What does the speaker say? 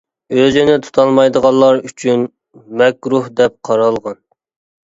ئۆزىنى تۇتالمايدىغانلار ئۈچۈن مەكرۇھ دەپ قارالغان.